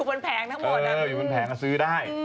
มันทั้งหมดธรรมดาอยู่ในปืนแผงจะซื้อได้